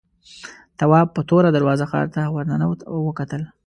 تواب په توره دروازه ښار ته ورننوت او وکتل.